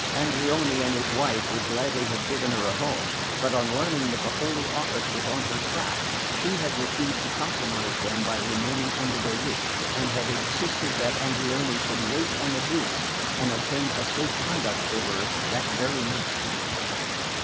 Andreoni and his wife would gladly have given her a home; but on learning that the Holy Office was on her track, she had refused to compromise them by remaining under their roof, and had insisted that Andreoni should wait on the Duke and obtain a safe conduct for her that very night.